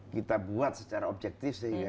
kita buat secara objektif sehingga